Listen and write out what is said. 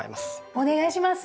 お願いします！